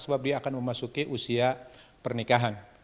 sebab dia akan memasuki usia pernikahan